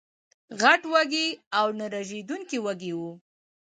غټ وږي او نه رژېدونکي وږي وو